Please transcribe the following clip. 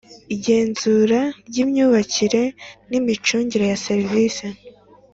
Igenzura ry imyubakire n imicungire ya serivise